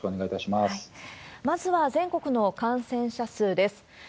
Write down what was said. まずは全国の感染者数です。